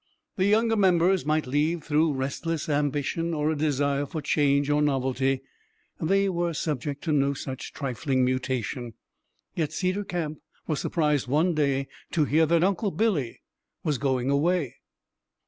The younger members might leave through restless ambition or a desire for change or novelty; they were subject to no such trifling mutation. Yet Cedar Camp was surprised one day to hear that Uncle Billy was going away.